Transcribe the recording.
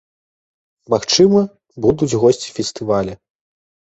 Магчыма, будуць госці фестываля.